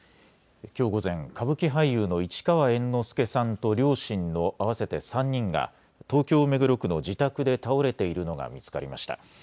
きょう午前、歌舞伎俳優の市川猿之助さんと両親の合わせて３人が東京目黒区の自宅で倒れているのが見つかりました。